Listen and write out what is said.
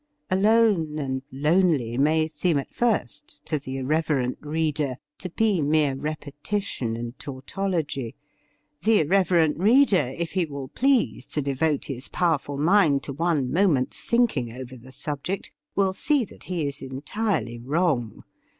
Alone and lonely may seem at first to the irreverent reader to be mere repetition and tautology. The irreverent reader, if he will please to devote his powerful mind to one moment's thinking over the subject, will see that he is entirely wrong.